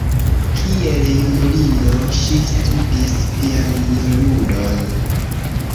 Kiel junulino ŝi studis pianludon.